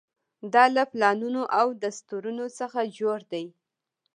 دا له پلانونو او دستورونو څخه جوړ دی.